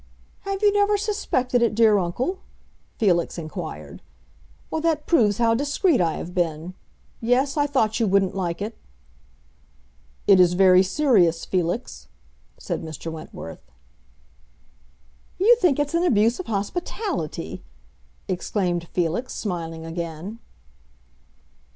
"Have you never suspected it, dear uncle?" Felix inquired. "Well, that proves how discreet I have been. Yes, I thought you wouldn't like it." "It is very serious, Felix," said Mr. Wentworth. "You think it's an abuse of hospitality!" exclaimed Felix, smiling again.